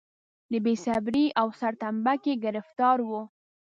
د بې صبرۍ او سرتمبه ګۍ ګرفتار و.